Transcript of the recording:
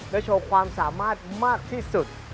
โชว์ความสามารถมากที่สุด